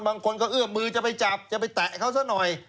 บางคนก็เอื้อมมือจะไปจับจะไปแตะเขาซะหน่อย